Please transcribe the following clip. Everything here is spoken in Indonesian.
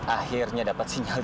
ambil bantuan anda ta'ala